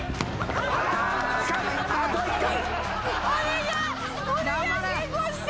あと１回。